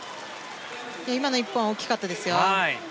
今の１本は大きかったですよ。